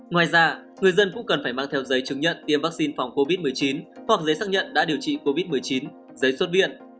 ngoài ra người dân cũng cần phải mang theo giấy chứng nhận tiêm vaccine phòng covid một mươi chín hoặc giấy xác nhận đã điều trị covid một mươi chín giấy xuất viện